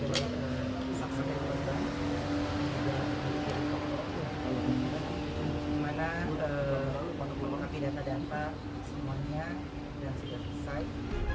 dimana untuk memakai data data semuanya dan juga pisai